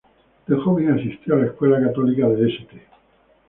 De joven asistió a la escuela católica de St.